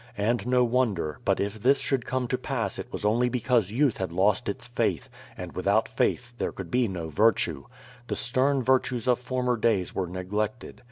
And no wonder, but if this should come to pass it was only because youth had lost its faith, and without faith there could l)e no virtue. The stern virtues of former days were neglected.